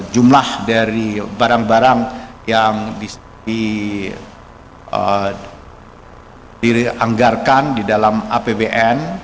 jumlah dari barang barang yang dianggarkan di dalam apbn